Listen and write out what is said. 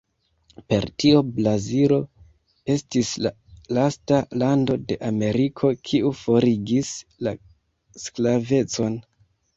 Per tio Brazilo estis la lasta lando de Ameriko, kiu forigis la sklavecon.